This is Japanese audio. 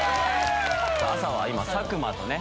朝は今佐久間とね